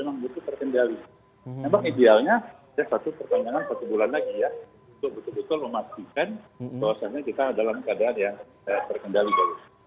untuk betul betul memastikan bahwasannya kita dalam keadaan yang terkendali